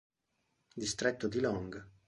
Distretto di Long